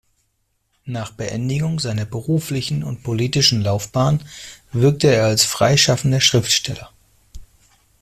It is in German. Nach Beendigung seiner beruflichen und politischen Laufbahn wirkte er als freischaffender Schriftsteller.